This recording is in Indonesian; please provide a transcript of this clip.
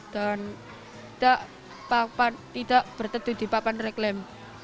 dan tidak berteduh di papan reklam